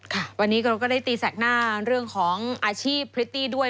ค่ะวันนี้เราก็ได้ตีแสกหน้าเรื่องของอาชีพพริตตี้ด้วย